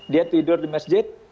dia tidur di masjid